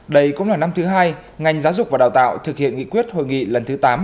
đây cũng là năm thứ hai ngành giáo dục và đào tạo thực hiện nghị quyết hội nghị lần thứ tám